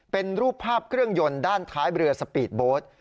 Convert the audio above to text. เป็นรูปภาพเครื่องยนต์ด้านท้ายเรือสปีดโบสต์